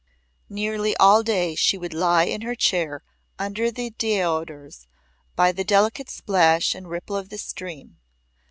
Nearly all day she would lie in her chair under the deodars by the delicate splash and ripple of the stream.